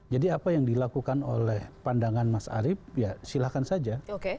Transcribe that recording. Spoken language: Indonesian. jadi apa yang dilakukan oleh pandangan mas arief ya silahkan saja